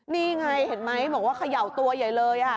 นี่ไงเห็นไหมบอกว่าเขย่าตัวใหญ่เลย